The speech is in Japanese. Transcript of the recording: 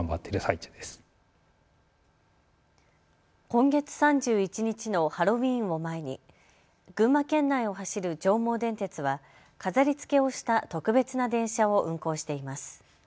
今月３１日のハロウィーンを前に群馬県内を走る上毛電鉄は飾りつけをした特別な電車を運行しています。